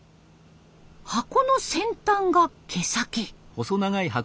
箱の先端が毛先。